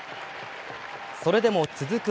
それでも続く